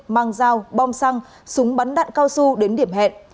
mang dao bom xăng súng bắn đạn cao su đến điểm hẹn